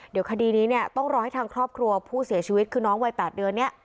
เดี๋ยวคดีนี้เนี่ยต้องรอให้ทางครอบครัวผู้เสียชีวิตคือน้องวัย๘เดือนเนี่ย